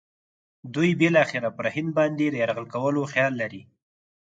دوی بالاخره پر هند باندې د یرغل کولو خیال لري.